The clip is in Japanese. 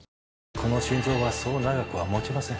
この心臓はそう長くは持ちません。